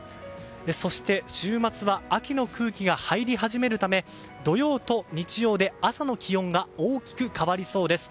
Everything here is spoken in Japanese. そして、週末は秋の空気が入り始めるため土曜と日曜で朝の気温が大きく変わりそうです。